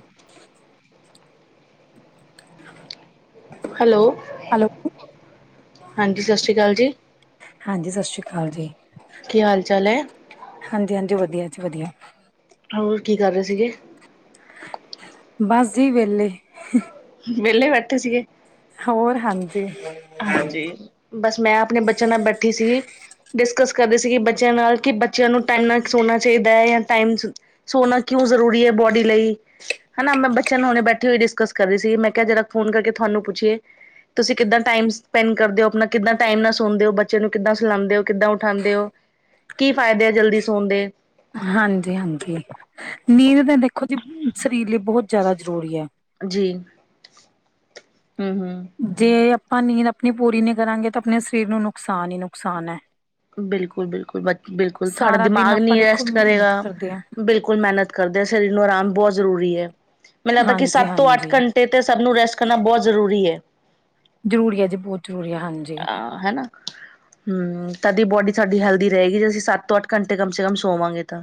[inaudible] Hello, hello, ਹਾਂਜੀ ਸਤਿ ਸ਼੍ਰੀ ਅਕਾਲ ਜੀ। ਹਾਂਜੀ, ਸਤਿ ਸ੍ਰੀ ਅਕਾਲ ਜੀ। ਕੀ ਹਾਲ ਚਾਲ ਹੈ ਹਾਂਜੀ-ਹਾਂਜੀ, ਵਧੀਆ ਜੀ, ਵਧੀਆ। ਹੋਰ, ਕੀ ਕਰ ਰਹੇ ਸੀਗੇ? ਬਸ ਜੀ ਵਿਹਲੇ। ਵਿਹਲੇ ਬੈਠੇ ਸੀਗੇ? ਹੋਰ, ਹਾਂਜੀ। ਹਾਂਜੀ ਬਸ, ''ਮੈਂ ਆਪਣੇ ਬੱਚਿਆਂ ਨਾਲ ਬੈਠੀ ਸੀਗੀ। ਡਿਸਕਸ ਕਰਦੇ ਸੀਗੇ ਬੱਚਿਆਂ ਨਾਲ, ਕਿ ਬੱਚਿਆਂ ਨੂੰ ਟਾਈਮ ਨਾਲ ਸੋਣਾ ਚਾਹੀਦਾ ਏ, ਯਾ ਟਾਇਮ ਸੋਨਾ ਕਿਉਂ ਜ਼ਰੂਰੀ ਹੈ ਬੌਡੀ ਲਈ? ਹਨਾ, ਮੈਂ ਬੱਚਿਆਂ ਨੂੰ ਹੁਣੇ ਬੈਠੇ ਹੋਈ ਡਿਸਕਸ ਕਰ ਰਹੀ ਸੀ, ''ਮੈਂ ਕਿਹਾ ਜਰਾ ਫੋਨ ਕਰਕੇ ਥੁਹਾਨੂੰ ਪੁੱਛੀਏ। ਤੁਸੀਂ ਕਿੱਦਾਂ ਟਾਈਮ ਸਪੈਂਡ ਕਰਦੇ ਹੋ, ਆਪਣਾ ਕਿੱਦਾਂ ਟਾਈਮ ਨਾਲ ਸੋਂਦੇ ਹੋ, ਬੱਚੇ ਨੂੰ ਕਿੱਦਾਂ ਸਲਾਂਦੇ ਹੋ, ਕਿੱਦਾਂ ਉਠਾਉਂਦੇ ਹੋ? ਕੀ ਫਾਇਦੇ ਆ, ਜਲਦੀ ਸੌਣ ਦੇ? ਹਾਂਜੀ-ਹਾਂਜੀ, ਨੀਂਦ ਤਾਂ ਦੇਖੋ ਜੀ, ਬ ਸਰੀਰ ਲਈ ਬਹੁਤ ਜ਼ਿਆਦਾ ਜ਼ਰੂਰੀ ਐ। ਜੀ। ਹੂੰ-ਹੂੰ। ਜੇ ਆਪਾਂ ਨੀਂਦ ਆਪਣੀ ਪੂਰੀ ਨਹੀਂ ਕਰਾਂਗੇ, ਤਾਂ ਆਪਣੇ ਸਰੀਰ ਨੂੰ ਨੁਕਸਾਨ ਹੀ, ਨੁਕਸਾਨ ਐ। ਬਿਲਕੁਲ-ਬਿਲਕੁਲ ਬ ਬਿਲਕੁਲ, ਥਹਾਡਾ ਸਾਰਾ ਦਿਨ ਦਿਮਾਗ ਆਪਾਂ ਨੀ ਦੇਖੋ ਰੈਸਟ ਕਰੇਗਾ। ਮਿਹਨਤ ਕਰਦੇ ਹਾਂ, ਬਿਲਕੁਲ ਮਿਹਨਤ ਕਰਦੇ ਆ, ਸਰੀਰ ਨੂੰ ਆਰਾਮ ਬਹੁਤ ਜ਼ਰੂਰੀ ਐ। ਮੈਨੂੰ ਲੱਗਦਾ ਕਿ ਸੱਤ ਤੋਂ ਹਾਂਜੀ-ਹਾਂਜੀ। ਅੱਠ ਘੰਟ ਤੇ ਤੇ, ਸਭ ਨੂੰ ਰੈਸਟ ਕਰਨਾ ਬਹੁਤ ਜ਼ਰੂਰੀ ਐ। ਜ਼ਰੂਰੀ ਆ ਜੀ, ਬਹੁਤ ਜ਼ਰੂਰੀ ਆ, ਹਾਂਜੀ। ਆ ਹੈਨਾ। ਹੂੰ, ਤਦ ਹੀ ਬੌਡੀ ਸਾਡੀ ਹੈਲਥੀ ਰਹੇਗੀ, ਜੇ ਅਸੀਂ ਸੱਤ ਤੋਂ ਅੱਠ ਘੰਟੇ ਕਮ ਸੇ ਕਮ ਸੋਵਾਂਗੇ ਤਾਂ।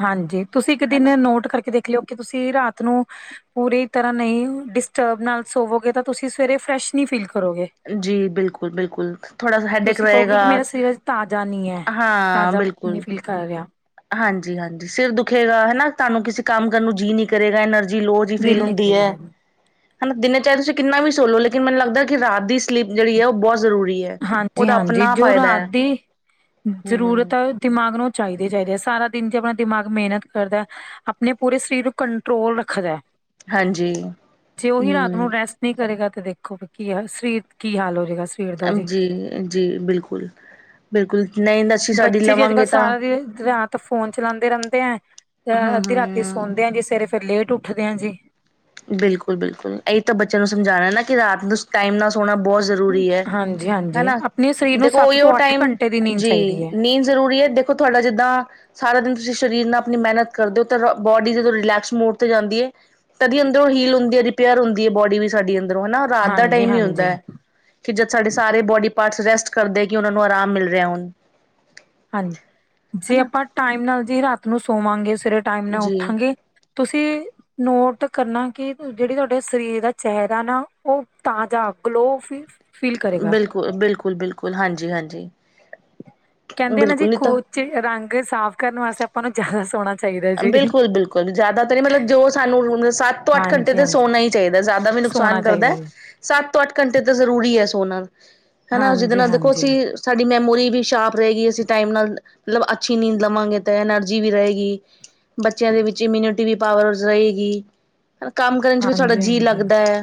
ਹਾਂਜੀ, ਤੁਸੀਂ ਇੱਕ ਹਨਾ ਦਿਨ ਨੋਟ ਕਰਕੇ ਦੇਖ ਲਿਓ, ਕਿ ਤੁਸੀਂ ਰਾਤ ਨੂੰ ਅ ਪੂਰੀ ਤਰ੍ਹਾਂ ਨਹੀਂ ਡਿਸਟਰਬ ਨਾਲ ਸੋਵੋਗੇ, ਤਾਂ ਤੁਸੀਂ ਸਵੇਰੇ ਫਰੈਸ਼ ਨੀ ਫੀਲ ਕਰੋਗੇ। ਜੀ ਬਿਲਕੁਲ ਬਿਲਕੁਲ ਥੋੜਾ ਸਾ ਹੈਡੇਕ ਤੁਸੀਂ ਕਹੋਗੇ, ਰਹੇਗਾ ਕਿ ਮੇਰਾ ਸਰੀਰ ਤਾਜ਼ਾ ਨੀ ਹੈ, ਹਾਂ ਤਾਜ਼ਾ ਨੀ ਬਿਲਕੁਲ ਫੀਲ ਕਰ ਰਿਹਾ। ਹਾਂਜੀ, ਹਾਂਜੀ ਸਿਰ ਦੁਖੇਗਾ ਹੈ ਨਾ ਤੁਹਾਨੂੰ ਕਿਸੇ ਕੰਮ ਕਰਨ ਨੂੰ ਜੀਅ ਨੀ ਕਰੇਗਾ। ਐਨਰ ਜੀ ਲੋ ਜੀ ਫੀਲ ਦਿਲ ਨੀ ਹੁੰਦੀ ਹੈ ਕਰੇਗਾ ਹਨਾ ਦਿਨੇ ਚਾਹੇ ਤੁਸੀਂ ਕਿੰਨਾ ਵੀ ਸੋ ਲੋ ਲੇਕਿਨ ਮੈਨੂੰ ਲੱਗਦਾ ਕਿ ਰਾਤ ਦੀ ਸਲੀਪ ਜਿਹੜੀ ਐ ਉਹ ਬਹੁਤ ਜ਼ਰੂਰੀ ਹੈ। ਹਾਂਜੀ, ਉਹਦਾ ਹਾਂਜੀ ਆਪਣਾ ਜੋ ਫ਼ਾਇਦਾ ਰਾਤ ਹੈ। ਦੀ ਜ਼ਰੂਰਤ ਦਿਮਾਗ ਨੂੰ ਚਾਹੀਦੇ ਹੀ ਚਾਹੀਦੇ। ਸਾਰਾ ਦਿਨ ਜਿਵੇਂ ਦਿਮਾਗ ਮਿਹਨਤ ਕਰਦਾ ਏ। ਆਪਣੇ ਪੂਰੇ ਸਰੀਰ ਨੂੰ ਕੰਟਰੋਲ ਰੱਖਦਾ ਐ ਹਾਂਜੀ ਜੇ ਉਹੀ ਰਾਤ ਨੂੰ ਰੈਸਟ ਨਹੀਂ ਕਰੇਗਾ ਤੇ ਦੇਖੋ ਵੀ ਕੀ ਹ ਸਰੀਰ ਕੀ ਹਾਲ ਹੋਵੇਗਾ। ਅ ਜੀ! ਜੀ! ਬਿਲਕੁਲ, ਬਿਲਕੁਲ ਨੀਂਦ ਅਸੀ ਸਾਡੀ ਲਵਾਂਗੇ ਤਾਂ ਏ ਰਾਤ ਤਾਂ ਫੋਨ ਚਲਾਉਂਦੇ ਰਹਿੰਦੇ ਆ, ਅ ਹਮ ਅੱਧੀ ਰਾਤੀ ਹਮ ਸੌਦੇ ਆ ਜੀ ਸਵੇਰੇ ਫੇਰ ਲੇਟ ਉੱਠਦੇ ਆ ਜੀ। ਬਿਲਕੁਲ, ਬਿਲਕੁਲ ਇਹੀ ਤਾਂ ਬੱਚਿਆਂ ਨੂੰ ਸਮਝਾਣਾ ਨਾ, ਕਿ ਰਾਤ ਨੂੰ ਸੂ ਟਾਈਮ ਨਾਲ ਸੋਣਾ ਬਹੁਤ ਜ਼ਰੂਰੀ ਐ ਹਾਂਜੀ ਹੈ ਹਾਂਜੀ ਨਾ, ਆਪਣੇ ਸਰੀਰ ਨੂੰ ਦੇਖੋ ਸੱਤ ਉਹੀਓ ਤੋਂ ਅੱਠ ਟਾਈਮ ਘੰਟੇ ਦੀ ਨੀਂਦ ਚਾਹੀਦੀ ਜੀ, ਹੈ ਨੀਂਦ ਜ਼ਰੂਰੀ ਐ ਦੇਖੋ ਤੁਹਾਡਾ ਜਿੱਦਾਂ ਸਾਰਾ ਦਿਨ ਤੁਸੀਂ ਸਰੀਰ ਨਾਲ ਆਪਣੀ ਮੇਹਨਤ ਕਰਦੇ ਹੋ ਤੇ ਰੋ ਬੋਡੀ ਜਦੋਂ ਰਿਲੈਕਸ ਮੋਡ ਤੇ ਜਾਂਦੀ ਐ। ਤਦੀ ਅੰਦਰੋਂ ਹੀਲ ਹੁੰਦੀ ਹੈ ਰਿਪੇਅਰ ਹੁੰਦੀ ਹੈ ਬੋਡੀ ਵੀ ਸਾਡੀ ਅੰਦਰੋਂ ਹਨਾ ਰਾਤ ਦਾ ਹਾਂਜੀ ਟਾਈਮ ਹੀ ਹੁੰਦਾ ਹਾਂਜੀ ਹੈ ਕਿ ਜਦ ਸਾਡੇ ਸਾਰੇ ਬੋਡੀ ਪਾਰਟਸ ਰੈਸਟ ਕਰਦੇ ਕਿ ਉਹਨਾਂ ਨੂੰ ਆਰਾਮ ਮਿਲ ਰਿਹਾ ਹੁਣ। ਹਾਂਜੀ, ਜੇ ਹਨਾ ਆਪਾਂ ਟਾਈਮ ਨਾਲ ਜੀ ਰਾਤ ਨੂੰ ਸੋਵਾਂਗੇ ਸਵੇਰੇ ਟਾਈਮ ਨਾਲ ਜੀ ਉੱਠਾਂਗੇ। ਤੁਸੀਂ ਨੋਟ ਕਰਨਾ ਕਿ ਜਿਹੜੀ ਤੁਹਾਡੇ ਸਰੀਰ ਦਾ ਚਿਹਰਾ ਨਾ ਉਹ ਤਾਜ਼ਾ ਗਲੋ ਫ ਬਿਲਕੁਲ, ਬਿਲਕੁਲ, ਬਿਲਕੁਲ ਹਾਂਜੀ, ਹਾਂਜੀ। ਕਹਿੰਦੇ ਆ ਨਾ ਜੀ ਬਿਲਕੁਲ ਨਹੀਂ ਤਾਂ ਖੋਚ ਰੰਗ ਸਾਫ਼ ਕਰਨ ਵਾਸਤੇ ਆਪਾਂ ਨੂੰ ਜ਼ਿਆਦਾ ਸੋਹਣਾ ਬਿਲਕੁਲ, ਬਿਲਕੁਲ ਜਿਆਦਾ ਤਾਂ ਨੀ ਮਤਲਬ ਜੋ ਸਾਨੂੰ [unintelligible] ਸੱਤ ਤੋਂ ਅੱਠ ਘੰਟੇ ਹਾਂਜੀ ਤੇ ਹਾਂਜੀ ਸੋਨਾ ਹੀ ਚਾਹੀਦਾ ਜ਼ਿਆਦਾ ਵੀ ਸੋਣਾ ਨੁਕਸਾਨ ਕਰਦਾ ਚਾਹੀਦਾ ਹੈ। ਜੀ। ਸੱਤ ਤੋਂ ਅੱਠ ਘੰਟੇ ਤਾਂ ਜ਼ਰੂਰੀ ਹੈ ਸੋਨਾ ਹਨਾ ਜਿਦੇ ਹਾਂਜੀ ਨਾਲ ਦੇਖੋ ਹਾਂਜੀ ਅਸੀਂ ਸਾਡੀ ਮੈਮੋਰੀ ਵੀ ਸ਼ਾਰਪ ਰਹੇਗੀ। ਅਸੀਂ ਟਾਈਮ ਨਾਲ ਅ ਮਤਲ ਅੱਛੀ ਨੀਂਦ ਲਵਾਂਗੇ ਤਾਂ ਐਨਰਜੀ ਵੀ ਰਹੇਗੀ। ਬੱਚਿਆਂ ਦੇ ਵਿੱਚ ਇਮਿਊਨਿਟੀ ਵੀ ਪਾਵਰਸ ਰਹੇਗੀ। ਔਰ ਕੰਮ ਕਰਨ ਚ ਵੀ ਸਾਡਾ ਹਾਂਜੀ ਜੀਅ ਹਾਂਜੀ ਲੱਗਦਾ ਐ।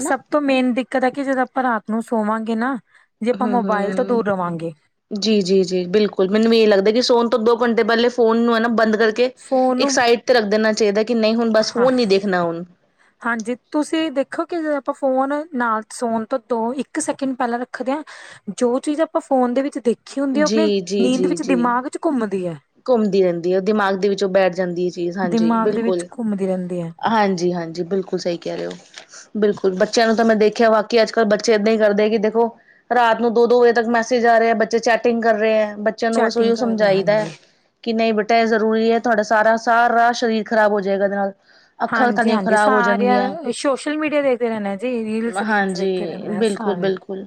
ਸਭ ਤੋਂ ਮੇਨ ਦਿੱਕਤ ਆ ਕਿ ਜਦੋਂ ਆਪਾਂ ਰਾਤ ਨੂੰ ਸੋਵਾਂਗੇ ਨਾ। ਜੇ ਆਪਾਂ ਹੂੰ, ਮੋਬਾਇਲ ਤੋਂ ਦੂਰ ਰਵਾਂਗੇ ਹੂੰ। ਜੀ ਜੀ ਜੀ, ਬਿਲਕੁਲ ਮੈਨੂੰ ਵੀ ਏਹ ਲੱਗਦਾ ਕਿ ਸੋਨ ਤੋਂ ਦੋ ਘੰਟੇ ਪਹਿਲੇ ਫੋਨ ਨੂੰ ਐ ਨਾ ਬੰਦ ਕਰਕੇ ਕੇ ਫੋਨ ਇੱਕ ਨੂੰ ਸਾਈਡ ਤੇ ਰੱਖ ਦੇਣਾ ਚਾਹੀਦਾ ਕਿ ਨਹੀਂ ਹੁਣ ਬਸ ਹਾਂ ਫੋਨ ਨੀ ਦੇਖਣਾ ਹੁਣ। ਹਾਂਜੀ! ਤੁਸੀਂ ਦੇਖੋ ਕਿ ਜ਼ੇ ਆਪਾਂ ਫੋਨ ਨਾਲ ਸੌਣ ਤੋਂ ਦੋ, ਇੱਕ ਸੈਕਿੰਡ ਪਹਿਲਾਂ ਰੱਖਦੇ ਹਾਂ। ਜੋ ਚੀਜ਼ ਆਪਾਂ ਫੋਨ ਦੇ ਵਿੱਚ ਦੇਖੀ ਹੁੰਦੀ ਐ ਓਹ ਆਪਨੇ ਜੀ, ਜੀ, ਨੀਂਦ ਜੀ, ਵਿੱਚ ਜੀ। ਦਿਮਾਗ ਚ ਘੁੰਮਦੀ ਐ। ਘੁੰਮਦੀ ਰਹਿੰਦੀ ਏ ਉਹ ਦਿਮਾਗ ਦੇ ਵਿੱਚ ਉਹ ਬੈਠ ਜਾਂਦੀ ਐ ਚੀਜ਼ ਹਾਂਜੀ, ਦਿਮਾਗ ਦੇ ਵਿੱਚ ਬਿਲਕੁਲ। ਘੁੰਮਦੀ ਰਹਿੰਦੀ ਹੈ ਹਾਂਜੀ ਹਾਂਜੀ, ਬਿਲਕੁਲ ਸਹੀ ਕਹਿ ਰੇ ਔ। ਬਿਲਕੁਲ, ਬੱਚਿਆਂ ਨੂੰ ਤਾਂ ਮੈਂ ਦੇਖਿਆ ਬਾਕੀ ਅੱਜ ਕੱਲ੍ਹ ਬੱਚੇ ਏਦਾਂ ਹੀ ਕਰਦੇ ਕਿ ਦੇਖੋ ਰਾਤ ਨੂੰ ਦੋ, ਦੋ ਵਜੇ ਤੱਕ ਮੈਸੇਜ ਆ ਰਹਾ ਹੈ ਬੱਚੇ ਚੈਟਿੰਗ ਕਰ ਰਹੇ ਹੈ ਬੱਚਿਆਂ ਨੂੰ ਬਸ ਚੈਟਿੰਗ ਓਈਉ ਕਰ ਰਹੇ ਸਮਝਾਈਦਾ ਹੈ। ਹਾਂਜੀ ਕਿ ਨਹੀਂ ਬੇਟਾ ਇਹ ਜ਼ਰੂਰੀ ਹੈ ਤੁਹਾਡਾ ਸਾਰਾ ਸਾਰ ਰਾ ਸਰੀਰ ਖਰਾਬ ਹੋ ਜਾਏਗਾ ਇਹਦੇ ਨਾਲ। ਅੱਖਾਂ ਹਾਂਜੀ, ਤੁਹਾਡੀਆਂ ਹਾਂਜੀ ਖ਼ਰਾਬ ਹੋ ਜਾਣਗੀਆਂ ਸਾਰੀਆਂ ਸੋਸ਼ਲ ਮੀਡੀਆ ਦੇਖਦੇ ਰਹਿਨਾ ਜੀ ਰੀਲਸ, ਰੀਲਸ ਦੇਖਦੇ ਰਹਿਨਾ ਆ ਸਾਰ ਬਿਲਕੁਲ,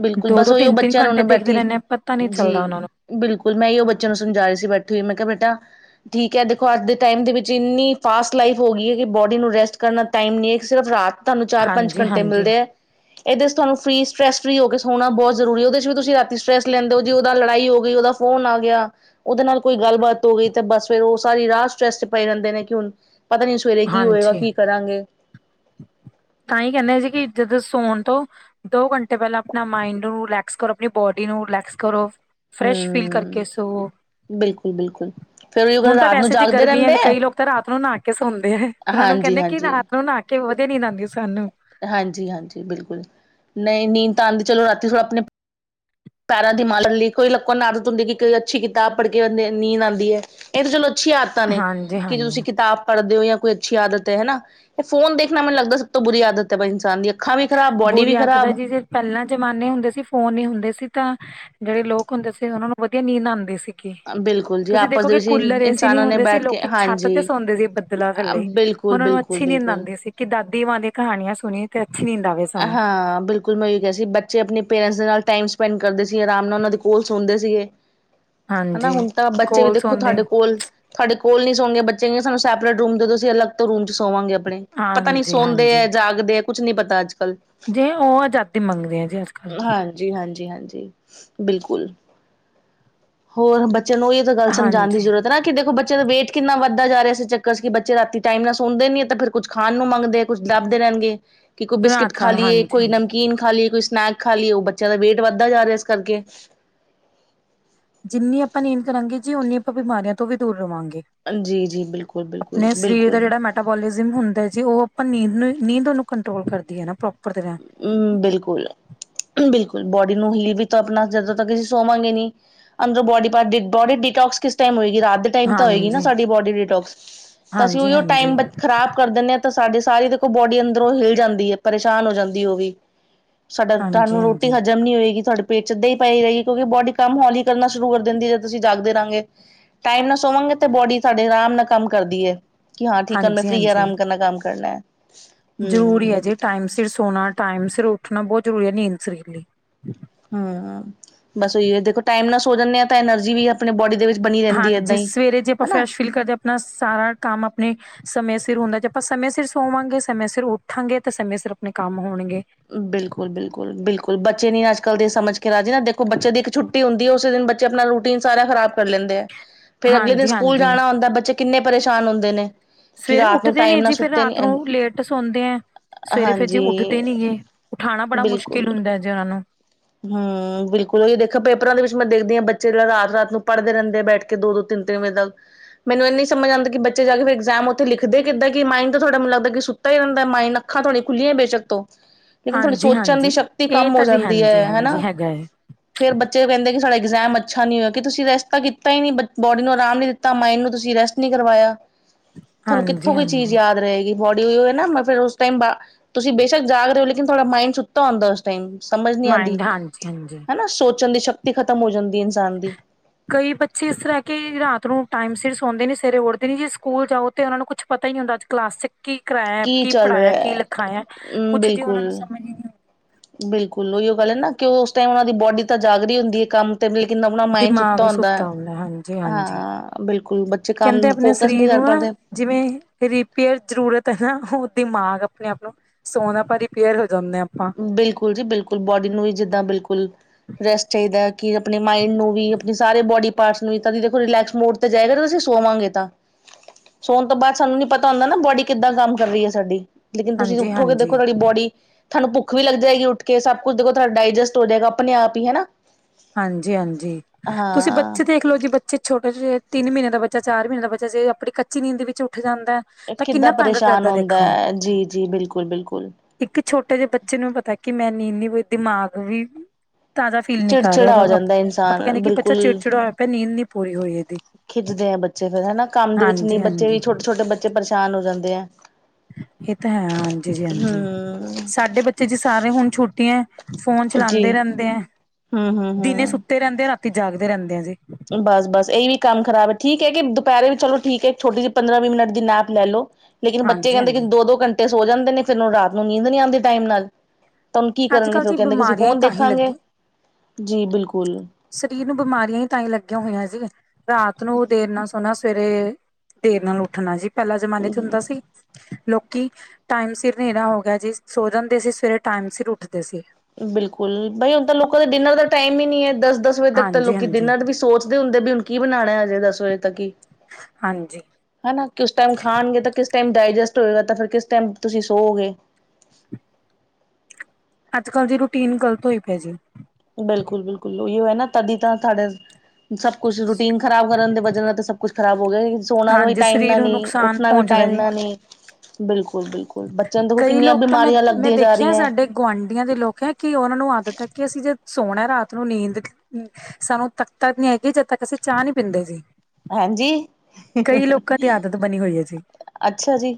ਬਿਲਕੁਲ ਬਸ ਉਹੀ ਉਹ ਬੱਚਿਆਂ ਨੇ ਉਹਨੇ ਦੇਖਦੇ ਬੈਠੀ ਰਹਿੰਦੇ ਆ ਪਤਾ ਨੀ ਜੀ। ਚੱਲਦਾ ਉਹਨਾਂ ਨੂੰ ਬਿਲਕੁਲ ਮੈਂ ਓਹੀਉ ਬੱਚਿਆਂ ਨੂੰ ਸਮਝਾ ਰਹੀ ਸੀ ਬੈਠੀ ਹੋਈ ਮੈਂ ਕਿਹਾ ਬੇਟਾ ਠੀਕ ਹੈ ਦੇਖੋ ਅੱਜ ਦੇ ਟਾਈਮ ਦੇ ਵਿੱਚ ਇੰਨੀ ਫਾਸਟ ਲਾਈਫ ਹੋ ਗਈ ਹੈ ਕਿ ਬੋਡੀ ਨੂੰ ਰੈਸਟ ਕਰਨਾ ਟਾਈਮ ਨਹੀਂ ਹੈ ਇੱਕ ਸਿਰਫ ਰਾਤ ਤੁਹਾਨੂੰ ਚਾਰ, ਪੰਜ ਹਾਂਜੀ ਘੰਟੇ ਹਾਂਜੀ ਮਿਲਦੇ ਆ। ਇਹਦੇ ਚ ਤੁਹਾਨੂੰ ਫਰੀ ਸਟਰੈੱਸ ਫਰੀ ਹੋ ਕੇ ਸੌਣਾ ਬਹੁਤ ਜ਼ਰੂਰੀ ਉਹਦੇ ਚ ਵੀ ਤੁਸੀਂ ਰਾਤੀ ਸਟਰੈੱਸ ਲੈਂਦੇ ਜੇ ਉਹਦਾ ਲੜਾਈ ਹੋ ਗਈ ਉਹਦਾ ਫੋਨ ਆ ਗਿਆ। ਉਹਦੇ ਨਾਲ ਕੋਈ ਗੱਲਬਾਤ ਹੋ ਗਈ ਤੇ ਬਸ ਫੇਰ ਉਹ ਸਾਰੀ ਰਾਤ ਸਟਰੈਸ ਚ ਪਏ ਰਹਿੰਦੇ ਨੇ ਕਿ ਹੁਣ ਪਤਾ ਨੀ ਸਵੇਰੇ ਕੀ ਹੋਏਗਾ ਹਾਂਜੀ ਕੀ ਕਰਾਂਗੇ? ਤਾਂ ਹੀ ਕਹਿੰਦੇ ਆ ਜੀ ਜਦੋਂ ਸੋਣ ਤੋਂ ਦੋ ਘੰਟੇ ਪਹਿਲਾਂ ਆਪਣਾ ਮਾਇੰਡ ਨੂੰ ਰਿਲੈਕਸ ਕਰੋ ਆਪਣੀ ਬੋਡੀ ਨੂੰ ਰਿਲੈਕਸ ਕਰੋ। ਫਰੈਸ਼ ਫੀਲ ਕਰਕੇ ਸੋਵੋ, ਬਿਲਕੁਲ, ਬਿਲਕੁਲ। ਹੁਣ ਤਾਂ ਵੈਸੇ ਜੇ ਗਰਮੀ ਹੈ ਕਈ ਲੋਕ ਤਾਂ ਰਾਤ ਨੂੰ ਨਹਾ ਕੇ ਸੌਦੇ ਹੈ ਉਹਨਾਂ ਨੂੰ ਕਹਿੰਦੇ ਕਿ ਹਾਂਜੀ-ਹਾਂਜੀ, ਰਾਤ ਨੂੰ ਨਾਹਾ ਕਿ ਵਧੀਆ ਨੀ ਆਉਂਦੀ ਸਾਨੂੰ। ਹਾਂਜੀ-ਹਾਂਜੀ, ਬਿਲਕੁਲ ਨਹੀਂ ਨੀਂਦ ਤਾਂ ਆਉਂਦੀ ਚਲੋ ਰਾਤੀ ਥੋੜ੍ਹਾ ਆਪਣੇ, ਪੈਰਾਂ ਦੀ ਮਾ ਲ ਲਈ ਕੋਈ ਲੋਕਾਂ ਨੂੰ ਆਦਤ ਹੁੰਦੀ ਕਿ ਕੋਈ ਅੱਛੀ ਕਿਤਾਬ ਪੜ੍ਹ ਕੇ ਨੀਂਦ ਆਉਂਦੀ ਹੈ। ਇਹ ਤਾਂ ਚਲੋ ਅੱਛੀਆਂ ਆਦਤਾਂ ਨੇ ਹਾਂਜੀ ਕਿ ਜੇ ਹਾਂਜੀ ਤੁਸੀਂ ਕਿਤਾਬ ਪੜਦੇ ਹੋ ਜਾਂ ਕੋਈ ਅੱਛੀ ਆਦਤ ਹੈ ਹਨ ਨਾ ਫੋਨ ਦੇਖਣਾ ਲੱਗਦਾ ਸਭ ਤੋਂ ਬੁਰੀ ਆਦਤ ਹੈ ਇਨਸਾਨ ਦੀ, ਅੱਖਾਂ ਵੀ ਖਰਾਬ ਬੋਡੀ ਬੁਰੀ ਵੀ ਆਦਤ ਹੈ ਖਰਾਬ, ਜੀ ਜੇ ਪਹਿਲਾਂ ਜਮਾਨੇ ਹੁੰਦੇ ਸੀ ਫੋਨ ਨੀ ਹੁੰਦੇ ਸੀ ਤਾਂ ਜਿਹੜੇ ਲੋਕ ਹੁੰਦੇ ਸੀ ਉਹਨਾਂ ਨੂੰ ਵਧੀਆ ਨੀਂਦ ਆਉਂਦੇ ਸੀ। ਬਿਲਕੁਲ ਜੀ ਤੁਸੀਂ ਆਪਸ ਦੇਖੋ ਦੇ ਕਿ ਵਿੱਚ ਹੀ ਕੂਲਰ ਏਸੀ ਨੀ ਇਨਸਾਨਾਂ ਨੇ ਹੁੰਦੇ ਸੀ ਬੈਠ ਕੇ ਲੋਕੀ ਛੱਤ ਤੇ ਹਾਂਜੀ ਸੌਂਦੇ ਸੀ ਬਦਲਾ ਥੱਲੇ। ਉਹਨਾਂ ਨੂੰ ਅੱਛੀ ਨੀਂਦ ਬਿਲਕੁਲ-ਬਿਲਕੁਲ-ਬਿਲਕੁਲ। ਆਉਂਦੀ ਸੀ ਕਿ ਦਾਦੀ ਮਾਂ ਦੀਆਂ ਕਹਾਣੀਆਂ ਸੁਣੀ ਤੇ ਅੱਛੀ ਨੀਦ ਆਵੇ। ਸਾਨੂੰ ਹਾਂ, ਬਿਲਕੁਲ। [unintelligible] ਕਿਹਾ ਸੀ ਬੱਚੇ ਆਪਣੇ ਪੇਰੈਂਟਸ ਦੇ ਨਾਲ ਟਾਈਮ ਸਪੈਂਡ ਕਰਦੇ ਸੀ ਆਰਾਮ ਨਾਲ ਉਹਨਾਂ ਦੇ ਕੋਲ ਸੁਣਦੇ ਸੀਗੇ। ਹਾਂਜੀ, ਹਨਾ ਹੁਣ ਤਾਂ ਬੱਚੇ ਵੀ ਕੋਲਸ ਦੇਖੋ ਹੁੰਦੇ ਤੁਹਾਡੇ ਕੋਲ, ਤੁਹਾਡੇ ਕੋਲ ਨਹੀਂ ਸੋਦੀਆਂ ਬੱਚੇ ਗੀਆਂ ਸਾਨੂੰ ਸੈਪਰੇਟ ਰੂਮ ਦੇ ਤੁਸੀਂ ਅਲਗ ਰੂਮ ਚ ਸੋਵਾਂਗੇ ਆਪਣੇ ਪਤਾ ਨੀ ਹਾਂਜੀ, ਸੌਂਦੇ ਹੈ ਹਾਂਜੀ ਜਾਗਦੇ ਹੈ ਕੁਝ ਨੀ ਪਤਾ ਅੱਜ ਕੱਲ੍ਹ। ਜੇ ਉਹ ਆਜ਼ਾਦੀ ਮੰਗਦੇ ਆ ਜੀ ਅੱਜ ਕੱਲ੍ਹ, ਜੀ ਹਾਂਜੀ, ਹਾਂਜੀ, ਬਿਲਕੁਲ, ਹੋਰ ਬੱਚਿਆ ਨੂੰ ਵੀ, ਗੱਲ ਸਮਝਾਣ ਦੀ ਹਾਂਜੀ ਜ਼ਰੂਰਤ, ਨਾ ਕਿ ਦੇਖੋ ਬੱਚੇ ਦਾ ਵੇਟ ਕਿੰਨਾ ਵੱਧਦਾ ਜਾ ਰਿਹਾ ਸੀ ਚੱਕਰ ਕਿ ਬੱਚੇ ਰਾਤੀ ਟਾਈਮ ਨਾਲ ਸੁਣਦੇ ਨੀ ਹੈ ਤਾਂ ਫਿਰ, ਕੁਛ ਖਾਣ ਨੂੰ ਮੰਗਦੇ ਕੁੱਛ ਡੱਬਦੇ ਰਹਿਣਗੇ। ਕਿ ਕੋਈ ਬਿਸਕਿਟ ਰਾਤ ਖਾ ਰਾਤ ਲਈਏ ਹਾਂਜੀ, ਕੋਈ ਹਾਂਜੀ ਨਮਕੀਨ ਖਾ ਲਈਏ ਕੋਈ ਸਨੈਕ ਖਾ ਲਈਏ ਉਹ ਬੱਚਿਆਂ ਦਾ ਵੇਟ ਵੱਧਦਾ ਜਾ ਰਿਹਾ ਇਸ ਕਰਕੇ। ਜਿੰਨੀ ਆਪਾਂ ਨੀਂਦ ਕਰਾਂਗੇ ਜੀ ਉਨੀ ਆਪਾਂ ਬਿਮਾਰੀਆਂ ਤੋਂ ਵੀ ਦੂਰ ਰਵਾਂਗੇ। ਜੀ, ਜੀ, ਬਿਲਕੁਲ, ਬਿਲਕੁਲ, ਆਪਣੇ ਸਰੀਰ ਦਾ ਬਿਲਕੁਲ। ਜਿਹੜਾ ਮੈਟਾਬੋਲਿਜ਼ਮ ਹੁੰਦਾ ਜੀ ਉਹ ਆਪਾਂ ਨੀਂਦ ਨੂੰ ਨੀਂਦ ਉਹਨੂੰ ਕੰਟਰੋਲ ਕਰਦੀ ਹੈ ਨਾ ਪ੍ਰੋਪਰ ਤਰ੍ਹਾਂ, ਹੂੰ, ਬਿਲਕੁਲ, ਬਿਲਕੁਲ ਬੋਡੀ ਨੂੰ ਹੀ ਆਪਣਾ ਜਿਆਦਾ ਤੱਕ ਸੋਵਾਂਗੇ ਨਹੀਂ, ਅੰਦਰੋਂ ਬੋਡੀ ਪਾਰਟ ਬੋਡੀ ਡਿਟੋਕਸ ਕਿਸ ਟਾਈਮ ਹੋਏਗੀ ਰਾਤ ਦੇ ਟਾਇਮ ਤਾਂ ਹੋਏਗੀ ਨਾ ਹਾਂਜੀ, ਸਾਡੀ ਬੋਡੀਟੋਕਸ ਤਾਂ ਅਸੀਂ ਹਾਂਜੀ, ਉਹੀ ਹਾਂਜੀ, ਟਾਈਮ ਖ਼ਰਾਬ ਕਰ ਦਿੰਦੇ ਆ ਤਾਂ ਸਾਡੀ ਸਾਰੀ ਦੇਖੋ ਬੋਡੀ ਅੰਦਰੋਂ ਹਿਲ ਜਾਂਦੀ ਹੈ ਪਰੇਸ਼ਾਨ ਹੋ ਜਾਂਦੀ ਉਹ ਵੀ, ਸਾਡਾ ਹਾਂਜੀ, ਤੁਹਾਨੂੰ ਰੋਟੀ ਹਾਂਜੀ, ਹਾਂਜੀ, ਹਜ਼ਮ ਨੀ ਹੋਏਗੀ ਤੁਹਾਡੇ, ਪੇਟ ਚ ਇਦਾਂ ਹੀ ਪਈ ਰਹੀ ਕਿਉਕਿ ਬੋਡੀ ਕੰਮ ਹੌਲੀ ਕਰਨਾ ਸ਼ੁਰੂ ਕਰ ਦਿੰਦੀ ਹੈ ਤੁਸੀਂ ਜਾਗਦੇ ਰਹਾਂਗੇ, ਟਾਈਮ ਨਾਲ ਸੋਵਾਂਗੇ ਤੇ ਬੋਡੀ ਸਾਡੇ ਆਰਾਮ ਨਾਲ ਕੰਮ ਕਰਦੀ ਹੈ। ਕਿ ਹਾਂ ਠੀਕ ਆ ਮੈਂ ਫਰੀ ਹਾਂਜੀ ਆਰਾਮ ਕਰਨਾ ਕੰਮ ਕਰਨਾ ਹੈ। ਜ਼ਰੂਰੀ ਹੈ ਹਮ ਜੀ ਟਾਈਮ ਸਿਰ ਸੋਣਾ ਟਾਈਮ ਸਿਰ ਉੱਠਣਾ ਬਹੁਤ ਜ਼ਰੂਰੀ ਹੈ ਨੀਂਦ ਸਰੀਰ ਲਈ, ਹੂੰ, ਬਸ ਉਹੀ ਹੈ ਦੇਖੋ ਟਾਈਮ ਨਾਲ ਸੋ ਜਾਂਦੇ ਹਾਂ ਤਾਂ ਐਨਰਜੀ ਵੀ ਆਪਣੇ ਬੋਡੀ ਦੇ ਵਿੱਚ ਬਣੀ ਰਹਿੰਦੀ ਹੈ ਇਦਾਂ ਹਾਂਜੀ ਹੀ ਸਵੇਰੇ ਜੇ ਆਪਾਂ ਹਨਾ, ਫਰੈਸ਼ ਫੀਲ ਕਰਦੇ ਸਾਰਾ ਕੰਮ ਆਪਣੇ, ਸਮੇਂ ਸਿਰ ਹੁੰਦਾ ਜੇ ਆਪਾਂ ਸਮੇਂ ਸਿਰ ਸੋਵਾਂਗੇ ਸਮੇਂ ਸਿਰ ਉੱਠਾਂਗੇ ਤੇ ਸਮੇਂ ਸਿਰ ਆਪਣੇ ਕੰਮ ਹੋਣਗੇ। ਬਿਲਕੁਲ, ਬਿਲਕੁਲ, ਬਿਲਕੁਲ, ਬੱਚੇ ਨੀ ਅੱਜ ਕੱਲ੍ਹ ਦੇ ਸਮਝ ਕੇ ਰਾਜੀ ਨਾ ਦੇਖੋ ਬੱਚੇ ਦੀ ਇੱਕ ਛੁ ਛੁੱਟੀ ਹੁੰਦੀ ਉਸੇ ਦਿਨ ਬੱਚੇ ਆਪਣਾ ਰੂਟੀਨ ਸਾਰਾ ਖਰਾਬ ਕਰ ਲੈਂਦੇ ਆ, ਫੇਰ ਅਗਲੇ ਦਿਨ ਹਾਂਜੀ ਸਕੂਲ ਹਾਂਜੀ ਜਾਣਾ ਹੁੰਦਾ ਬੱਚੇ ਕਿੰਨੇ ਪਰੇਸ਼ਾਨ ਹੁੰਦੇ ਨੇ। ਕਿ ਸਵੇਰੇ ਰਾਤ ਨੂੰ ਉੱਠਦੇ ਟਾਈਮ ਨੇ ਨਾਲ ਜੀ ਫਿਰ ਸੁੱਤੇ ਨੀ ਰਾਤ ਨੂੰ ਲੇਟ ਸੌਦੇ ਹੈ। ਸਵੇਰੇ ਫੇਰ ਜੀ ਉੱਠਦੇ ਹਾਂਜੀ, ਨੀ ਗੇ ਉਠਾਉਣਾ ਬੜਾ ਬਿਲਕੁਲ। ਮੁਸ਼ਕਿਲ ਹੁੰਦਾ ਹੈ ਜੇ ਉਹਨਾਂ ਨੂੰ, ਹੂੰ, ਬਿਲਕੁਲ ਉਹੀ ਦੇਖਿਆ ਪੇਪਰਾਂ ਦੇ ਵਿੱਚ ਮੈਂ ਦੇਖਦੀ ਹਾਂ ਬੱਚੇ ਜਿਹੜਾ ਰਾਤ ਰਾਤ ਨੂੰ ਪੜ੍ਹਦੇ ਰਹਿੰਦੇ ਆ ਬੈਠ ਕੇ ਦੋ ਦੋ ਤਿੰਨ ਤਿੰਨ ਵਜੇ ਤੱਕ, ਮੈਨੂੰ ਇਹ ਨੀ ਸਮਝ ਆਉਂਦੀ ਬੱਚੇ ਜਾ ਕੇ ਫਿਰ ਇਗਜ਼ਾਮ ਉੱਥੇ ਲਿਖਦੇ ਕਿਦਾਂ ਕਿ ਮਾਈੰਡ ਤੁਹਾਡੇ ਨੂੰ ਲੱਦਾ ਕਿ ਤਾ ਹੀ ਰਹਿੰਦਾ ਮਾਈਡ ਅੱਖਾਂ ਤੁਹਾਡੀਆਂ ਖੁੱਲ੍ਹੀਆਂ ਬੇਸ਼ੱਕ ਤੋਂ ਲੇਕਿਨ ਤੁਹਾਡੀ ਹਾਂਜੀ ਸੋਚਣ ਦੀ ਹਾਂਜੀ ਸ਼ਕਤੀ ਇਹ ਕੰਮ ਹੋ ਤਾਂ ਜੀ ਜਾਂਦੀ ਹਾਂਜੀ ਹੈ। ਹਾਂਜੀ ਹੈਗਾ ਹੈ ਫੇਰ ਬੱਚੇ ਕਹਿੰਦੇ ਕਿ ਸਾਡਾ ਇਗਜ਼ਾਮ ਅੱਛਾ ਨਹੀਂ ਹੋਇਆ ਕਿ ਤੁਸੀਂ ਰੈਸਟ ਤਾਂ ਕੀਤਾ ਹੀ ਨਹੀਂ ਬੋਡੀ ਨੂੰ ਆਰਾਮ ਨਹੀਂ ਦਿੱਤਾ, ਤਾਂ ਮਾਇੰਡ ਨੂੰ ਤੁਸੀਂ ਰੈਸਟ ਨ ਕਰਵਾਇਆ ਤੁਹਾਨੂੰ ਹਾਂਜੀ ਕਿੱਥੋਂ ਕੋਈ ਚੀਜ਼ ਹਾਂਜੀ ਯਾਦ ਰਹੇਗੀ। ਬੋਡੀਈ ਨਾ ਫਿਰ ਉਸ ਟ ਤੁਸੀਂ ਬੇਸ਼ੱਕ ਜਾ ਰਹੇ ਹੋੇਨ ਤੁਹਾਡਾ ਮੰਡ ਆਂਦਾ ਉਸ ਟਾਈਮ ਸਮਝ ਨਹੀਂ ਆਂਦੀ ਮਾਇੰਡ ਹਾਂਜੀ ਹਾਂਜੀ ਹਨਾ ਸੋਚਣ ਦੀ ਸ਼ਕਤੀ ਖ਼ਤਮ ਹੋ ਜਾਂਦੀ ਇਨਸਾਨ ਦੀ ਕਈ ਬੱਚੇ ਇਸ ਤਰ੍ਹਾਂ ਕਿ ਰਾਤ ਨੂੰ ਟਾਈਮ ਸਿਰ ਸੌਂਦੇ ਨੇ ਸਵੇਰੇ ਉੱਠਦੇ ਨੇ ਜੇ ਸਕੂਲ ਜਾਓ ਤੇ ਉਹ ਨੂੰ ਕੁਛ ਪਤਾ ਨ ਹੁੰਦਾ ਅੱਜ ਕਲਾਸ ਚ ਕੀ ਕਰਇਆ ਕੀ ਚੱਲ ਪੜ੍ਹਾਇਆ ਰਿਹਾ ਕੀ ਲਿਖਾਇਆ ਹੈ ਹਮ ਕੁੱਝ ਜੀ ਉਹਨਾ ਬਿਲਕੁਲ ਨੂੰ ਸਮਝ ਨ ਬਿਲਕੁਲ ਉਹੀਓ ਗੱਲ ਹੈ ਨਾ ਕਿ ਉਸ ਟਾਈਮ ਉਨਾਂ ਦੀ ਬੋਡੀ ਤਾਂ ਜਾਗ ਰਹੀ ਹੁੰਦੀ ਹੈ ਕੰਮ ਮਕਿ ਆਪਣਾ ਮਾਈਡ ਸੁੱਤਾ ਦਿਮਾਗ ਹੁੰਦਾ ਹਾਂਜੀ ਹਾਂਜੀ ਹਾਂ ਬਿਲਕੁਲ ਬੱਚੇ ਕੰਮ ਕਹਿੰਦੇ ਆਪਣੇ ਫੋਕਸ ਨਹੀਂ ਸਰੀਰ ਕਰ ਨੂੰ ਨਾ ਪਾਂਦੇ। ਜਿਵੇਂ ਰਿਪੇਅਰ ਜ਼ਰੂਰਤ ਹੈ ਨਾ ਉਹ ਦਿਮਾਗ ਆਪਣੇ ਆਪ ਨੂੰ ਸੋਨ ਆਪਾਂ ਰਿਪੇਅਰ ਹੋ ਜਾਂਦੇ ਹਾਂ ਆਪਾਂ ਬਿਲਕੁਲ ਜੀ ਬਿਲਕੁਲ ਬੋਡੀ ਨੂੰ ਹੀ ਜਿੱਦਾਂ ਬਿਲਕੁਲ ਰੈਸਟ ਚਾਹੀਦਾ ਹੈ ਕਿ ਆਪਣੇ ਮਾਇੰਡ ਨੂੰ ਵੀ ਆਪਣੀ ਸਾਰੇ ਬੋਡੀ ਸੀ ਦੇਖੋ ਰਿਲੈਕਸ ਮੋਡ ਤੇ ਜਾਏਗਾ ਤੁਸੀਂ ਸੋਵਾਂਗੇ ਤਾਂ ਸੋਣ ਤੋਂ ਬਾਅਦ ਸਾਨੂੰ ਨੀ ਪਤਾ ਹੁੰਦਾ ਨਾ ਬੋਡੀ ਕਿੱਦਾਂ ਕੰਮ ਕਰ ਰਹੀ ਹੈ ਸਾਡੀ ਲੇਕਿਨ ਤੁਸੀਂ ਹਾਂਜੀ ਉੱਠੋ ਕੇ ਦੇਖੋ ਹਾਂਜੀ ਤੁਹਾਡੀ ਬੋਡੀ ਤਾਨੂੰ ਭੁੱਖ ਵੀ ਲੱਗ ਜਾਏਗੀ ਉੱਠ ਸਭ ਕੁਛ ਦੇਖੋ ਤੁਡਾ ਡਾਇਜਸਟ ਹੋ ਜਾਏਗਾ ਆਪਣੇ ਆਪ ਹੀ ਹਨਾ। ਹਾਂਜੀ ਹਾਂਜੀ ਤੁਸੀਂ ਹਾਂ ਬੱਚੇ ਦੇਖਲਓ ਜੀ ਛੋਟੇ ਜਿਹੇ ਤਿੰਨ ਮਹੀਨੇ ਦਾ ਬੱਚਾ ਚਾਰ ਮਹੀਨੇ ਦਾ ਬੱਚਾ ਜੇ ਆਪਣੀ ਕੱਚੀ ਨੀਂਦ ਵਿੱਚ ਉੱਠ ਜਾਂਦਾ ਹੈ ਤਾਂ ਕਿੱਦਾਂ ਕਿੰਨਾ ਤੰਗ ਪਰੇਸ਼ਾਨ ਕਰਦਾ ਹੁੰਦਾ ਦੇਖੋ ਹੈ ਜੀ ਜੀ ਬਿਲਕੁਲ ਬਿਲਕੁਲ ਇੱਕ ਛੋਟੇ ਜਿਹੇ ਬੱਚੇ ਨੂੰ ਪਤਾ ਕਿ ਮੈ ਨ ਇੰਨੀ ਕੋਈ ਦਿਮਾਗ ਵੀ ਤਾਜ਼ਾ ਫੀਲ ਨ ਚਿੜਚਿੜਾ ਹੋ ਜਾਂਦਾ ਆਪਾਂ ਇਨਸਾਨ ਕੈਂਦੇ ਬੱਚਾ ਬਿਲਕੁਲ ਚਿੜ ਚਿੜਾ ਹੋਇ ਆ ਪਿਆ ਨੀਂਦ ਨੀ ਪੂਰੀ ਹੋਈ ਇਹਦੀ ਖਿੱਚਦੇ ਆ ਬੱਚੇ ਫੇਿਰ ਹਨਾ ਕੰਮ ਦੇ ਵਿੱਚ ਨਹੀਂ ਹਾਂਜੀ ਬੱਚੇ ਵੀ ਹਾਂਜੀ ਛੋਟੇ ਛੋਟੇ ਬੱਚੇ ਪਰੇਸ਼ਾਨ ਹੋ ਜਾਂਦੇ ਆ ਇਹ ਤਾਂ ਹੈ ਹਾਂਜੀ ਜੀ ਹਾਂਜੀ ਹੂੰ ਸਾਡੇ ਬੱਚੇ ਜੀ ਸਾਰੇ ਹੁਣ ਛੁੱਟੀ ਹੈ ਫੋਨ ਚਲਾਉਂਦੇ ਰੈਂਦੇ ਹੈ ਹਮ ਹਮ ਦਿਨੇ ਹਮ ਸੁੱਤੇ ਰਹਿੰਦੇ ਆ ਰਾਤੀ ਜਾਗਦੇ ਰੈਂਦੇ ਆ ਜੀ ਬਸ ਬਸ ਇਹ ਵੀ ਕੰਮ ਖਰਾਬ ਹੈ ਠੀਕ ਹੈ ਕਿ ਦੁਪਹਿਰੇ ਵੀ ਚਲੋ ਠੀਕ ਹੈ ਛੋਟੀ ਜਿਹੀ ਪੰਦਰਾਂ ਵੀਹ ਮਿੰਟ ਦੀ ਨੈਪ ਲੈ ਲੋ। ਲੇਕਿਨ ਬੱਚੇ ਹਾਂਜੀ ਕੈਂਦੇ ਕਿ ਹਾਂਜੀ ਦੋ ਦੋ ਘੰਟੇ ਸੋ ਜਾਂਦੇ ਫਿਰ ਉਨੂੰ ਰਾਤ ਨੂੰ ਨੀਂਦ ਦੀ ਨਹੀਂ ਆਂਦੀ ਟਾਈਮ ਨਾਲ ਤੁਹਾਨੂੰ ਕੀ ਅੱਜ ਕਰਨਗੇ ਕੱਲ੍ਹ ਫਿਰ ਜੀ ਕੈਂਦੇ ਅਸੀਂ ਬਿਮਾਰੀਆਂ ਹੀ ਫੋਨ ਤਾਂ ਹੀ ਦੇਖਾਂਗੇ ਲੱਗੀ ਜੀ ਬਿਲਕੁਲ ਸਰੀਰ ਨੂੰ ਬਿਮਾਰੀਆਂ ਹੀ ਤਾਂ ਹੀ ਲੱਗੀਆਂ ਹੋਈਆਂ ਜੀ ਰਾਤ ਨੂੰ ਦੇਰ ਨਾ ਸੋਣਾ ਸਵੇਰੇ ਦੇਰ ਨਾਲ ਉੱਠਣਾ ਜੀ ਪਹਿਲਾਂ ਜਮਾਨੇ ਚ ਹੁੰਦਾ ਸੀ ਲੋਕ ਕਿ ਟਾਈਮ ਸਿਰ ਨੇਰਾ ਹੋ ਗਿਆ ਜੀ ਸੋ ਜਾਂਦੇ ਸੀ ਸਵੇਰੇ ਟਾਈਮ ਸਿਰ ਉੱਠਦੇ ਸੀ। ਬਿਲਕੁਲ ਬਾਈ ਹੁਣ ਤਾਂ ਲੋਕਾਂ ਦੇ ਡਿਨਰ ਦਾ ਟਾਈਮ ਹੀ ਨਹੀਂ ਹੈ ਦਸ ਦਸ ਵਜੇ ਤੱਕ ਤਾਂ ਹਾਂਜੀ ਲੋਕੀ ਹਾਂਜੀ ਡਿਨਰ ਵੀ ਸੋਚ ਹੁੰਦੇ ਬਿਨ ਕੀ ਬਣਾਣਾ ਅਜੇ ਦਸ ਵਜੇ ਤੱਕ ਹੀ ਹਾਂਜੀ ਹਨਾ ਕਿਸ ਟਾਈਮ ਖਾਣਗੇ ਤਾਂ ਕਿਸ ਟਾਈਮ ਡਾਇਜਸਟ ਹੋਏਗਾ ਤਾਂ ਫਿਰ ਕਿਸ ਟਾਈਮ ਤੁਸੀਂ ਸੋਗੇ ਅੱਜ ਕੱਲ ਦੀ ਰੂਟੀਨ ਗ਼ਲਤ ਹੋਈ ਪਏ ਜੀ ਬਿਲਕੁਲ ਬਿਲਕੁਲ ਉਹੀ ਹੈ ਨਾ ਤਦੀ ਤਾਂ ਸਾਡੇ ਸਭ ਕੁਛ ਰੂਟੀਨ ਖ਼ਰਾਬ ਕਰਨ ਦੇ ਵਜ੍ਹ ਨਾਲ ਤੇ ਸਭ ਕੁੱਛ ਖਰਾਬ ਹੋ ਗਿਆ ਸੋਨਾ ਦਾ ਵੀ ਹਾਂਜੀ ਟਾਈਮ ਸਰੀਰ ਨਾ ਨੂੰ ਨੀ ਨੁਕਸਾਨ ਉੱਠਣਾ ਵੀ ਪਹੁੰਚਦਾ ਟਾਈਮ ਜੀ ਨਾ ਨੀ ਬਿਲਕੁਲ ਬਿਲਕੁਲ ਬਿਲਲ ਬੱਚਿਆਂ ਨੂੰ ਦੇਖੋ ਕਈ ਕਿੰਨੀਆਂ ਲੋਕ ਤਾਂ ਮੈਂ ਬਿਮਾਰੀਆਂ ਮੈਂ ਲੱਗਦੀਆਂ ਜਾ ਦੇਖਿਆ ਰਹੀਆਂ ਹੈ ਸਾਡੇ ਗੁਆਂਢੀਆਂ ਦੇ ਲੋਕ ਹੈਂ ਕਿ ਉਨਾਂ ਨੂੰ ਆਦਤ ਹੈ ਕਿ ਅਸੀਂ ਜੇ ਸੋਣਾ ਰਾਤ ਨੂੰ ਨੀਂਦ ਸਾਨੂੰ ਤਖ਼ਤ ਨੀ ਹੈਗੀ ਜਦ ਤੱਕ ਅਸੀਂ ਚਾਹ ਨੀ ਪੀਂਦੇ ਸੀ ਹਾਂਜੀ ਕਈ ਲੋਕਾਂ ਦੀ ਆਦਤ ਬਣੀ ਹੋਈ ਹੈ ਜ ਅੱਛਾ ਜੀ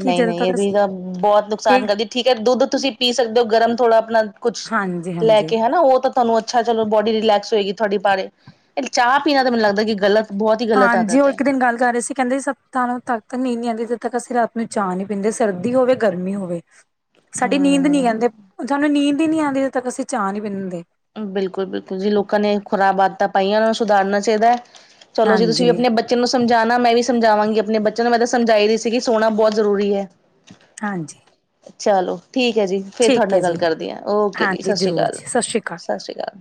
ਨਹੀਂ ਨਹੀਂ ਤੱਕ ਇਹ ਵੀ ਅਸੀਂ ਤਾਂ ਬਹੁਤ ਨੁਕਸਾਨ ਇਹ ਕਰਦੀ ਠੀਕ ਹੈ ਦੁੱਧ ਤੁਸੀਂ ਪੀ ਸਕਦੇ ਹੋ ਗਰਮ ਥੋੜ੍ਹਾ ਆਪਣਾ ਕੁੱਛ ਹਾਂਜੀ ਲੈ ਹਾਂਜੀ ਕੇ ਹਨਾ ਉਹ ਤਾਂ ਤੁਹਾਨੂੰ ਅੱਛਾ ਚਲੋ ਬੋਡੀ ਰਿਲੈਸ ਹੋਏਗੀ ਤੁਹਾਡੀ ਬਾਰੇ ਚਾਹ ਪੀਣਾ ਤਾਂ ਮੈਨੂੰ ਲੱਗਦਾ ਕਿ ਗਲਤ ਬਹੁਤ ਹੀ ਗ਼ਲਤ ਹਾਂਜੀ ਆਦਤ ਉਹ ਹੈ ਇੱਕ ਦਿਨ ਗੱਲ ਕਰ ਰਹੇ ਸੀ। ਕੈਂਦੇ ਸੱਤਾਂ ਨੂੰ ਤੱਕ ਨੀ ਨੀ ਆਉਂਦੀ ਜਿੱਦੋਂ ਤੱਕ ਅਸੀਂ ਰਾਤ ਨੂੰ ਚਾਹ ਨੀ ਪੀਂਦੇ ਸਰਦੀ ਹੋਵੇ ਗਰਮੀ ਹੋਵੇ। ਸਾਡੀ ਨੀਂਦ ਨੀ ਹਮ ਕੈਂਦੇ ਸਾਨੂੰ ਨੀਂਦ ਹੀ ਨਹੀਂ ਆਂਦੀ ਜੋਂ ਤੱਕ ਅਸੀਂ ਚਾਹ ਨੀ ਪੀਂਦੇ ਬਿਲਕੁਲ ਬਿਲਕੁਲ ਜੀ ਲੋਕਾਂ ਨੇ ਖੁਰਾਬ ਆਦਤਾਂ ਪਾਈਆਂ ਉਹਨਾਂ ਨੂੰ ਸੁਧਾਰਨਾ ਚਾਹੀਦਾ ਹੈ ਚਲੋ ਜੀ ਤੁਸੀਂ ਵੀ ਹਾਂਜੀ ਆਪਣੇ ਬੱਚੇ ਬੱਚੇ ਨੂੰ ਸਮਝਾਉਣਾ, ਮੈਂ ਵੀ ਸਮਝਾਵਾਂਗੀ ਆਪਣੇ ਬੱਚਿਆਂ ਨੂੰ, ਮੈਂ ਤਾਂ ਸਮਝਾਈ ਦੀ ਸੀਗੀ ਸੋਣਾ ਬਹੁਤ ਜ਼ਰੂਰੀ ਹੈ ਹਾਂਜੀ ਚਲੋ, ਠੀਕ ਹੈ ਜੀ, ਫੇਰ ਤੁਹਾਡੇ ਠੀਕ ਹੈ ਨਾਲ ਗੱਲ ਜੀ ਕਰਦੀ ਹਾਂ, ਓਕੇ ਜੀ, ਹਾਂਜੀ ਸਤਿ ਸ੍ਰੀ ਜ਼ਰੂਰ ਅਕਾਲ ਜੀ ਸਤਿ ਸ੍ਰੀ ਅਕਾਲ ਸਤਿ ਸ੍ਰੀ ਅਕਾਲ